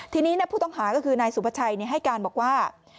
ทีนี้ผู้ต้องหาก็คือนายสุภาชัยให้การบอกว่า